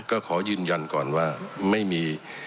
ก็ขอยืนยันก่อนว่าไม่มี